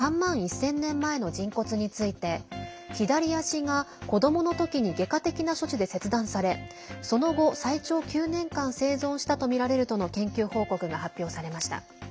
インドネシアのカリマンタン島の洞窟で発見された３万１０００年前の人骨について左足が、子どもの時に外科的な処置で切断されその後、最長９年間生存したとみられるとの研究報告が発表されました。